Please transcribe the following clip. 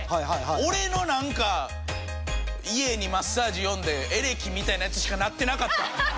俺のなんか家にマッサージ呼んでエレキみたいなやつしかなってなかった。